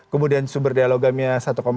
kemudian sumber daya logamnya satu dua puluh empat